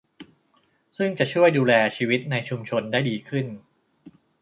ซึ่งจะช่วยดูแลชีวิตในชุมชนได้ดีขึ้น